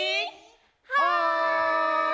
はい！